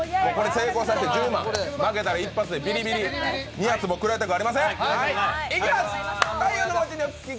成功させて１０万、負けたら一発でビリビリ、２発も食らいたくありません。